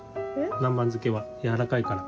南蛮漬けはやわらかいから。